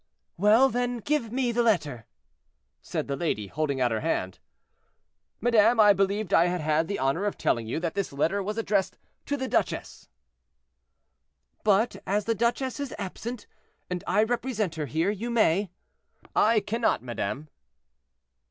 "Well, then, give me the letter," said the lady, holding out her hand. "Madame, I believed I had had the honor of telling you that this letter was addressed to the duchesse." "But, as the duchesse is absent, and I represent her here, you may—" "I cannot, madame."